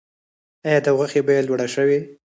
آیا د غوښې بیه لوړه شوې؟